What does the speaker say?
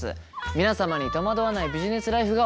皆様に戸惑わないビジネスライフが訪れますように。